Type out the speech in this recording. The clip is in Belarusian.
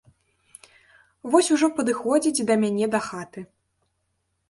Вось ужо падыходзіць да мяне дахаты.